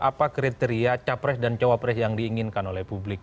apa kriteria capres dan cawapres yang diinginkan oleh publik